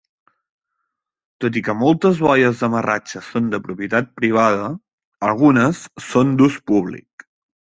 Tot i que moltes boies d'amarratge són de propietat privada, algunes són d'ús públic.